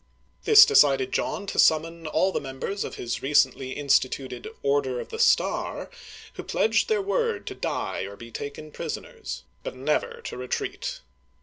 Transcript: This decided John to summon all the members of his recently instituted *' Order of the Star," who pledged their word to die or be taken prisoners, but never to retreat.